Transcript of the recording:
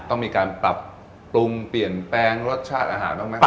ต้องมีการตับปรุงเปลี่ยนแปลงรสชาติอาหารต้องมั้ยครับ